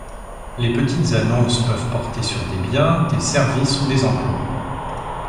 Les petites annonces peuvent porter sur des biens, des services ou des emplois.